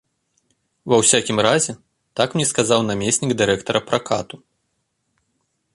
Ва ўсякім разе, так мне сказаў намеснік дырэктара пракату.